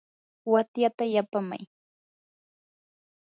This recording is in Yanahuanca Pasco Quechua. watyata yapaamay.